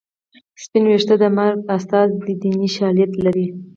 سپین ویښته د مرګ استازی دی دیني شالید لري